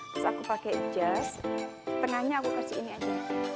terus aku pakai jas tengahnya aku kasih ini aja